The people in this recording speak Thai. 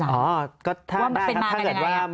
เพราะถ้าเข้าไปอ่านมันจะสนุกมาก